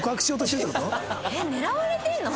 えっ狙われてるの！？